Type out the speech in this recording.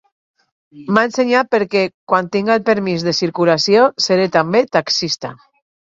M'ha ensenyat perquè, quan tinga el permís de circulació, seré també taxista.